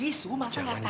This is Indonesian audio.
ih su masa gak tau sih